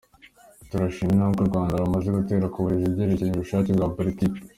Turashima intambwe u Rwanda rumaze gutera mu burezi, byerekana ubushake bwa politiki.